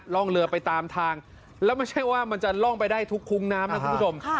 ร่องเรือไปตามทางแล้วไม่ใช่ว่ามันจะล่องไปได้ทุกคุ้งน้ำนะคุณผู้ชม